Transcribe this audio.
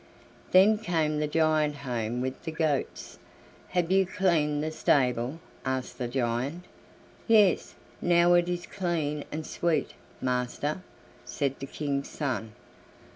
Then came the giant home with the goats. "Have you cleaned the stable?" asked the giant. "Yes, now it is clean and sweet, master," said the King's son.